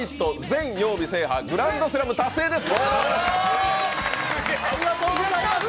全曜日制覇、グランドスラム達成です。